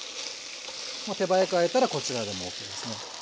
もう手早くあえたらこちらでもうＯＫですね。